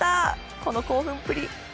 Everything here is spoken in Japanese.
この興奮っぷり。